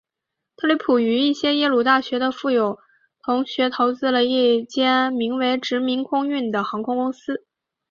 特里普与一些耶鲁大学的富有同学投资了一间名为殖民空运的航空公司。